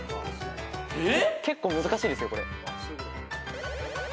結構難しいですよ。